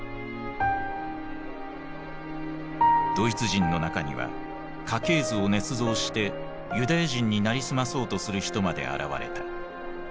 ドイツ人の中には家系図をねつ造してユダヤ人に成り済まそうとする人まで現れた。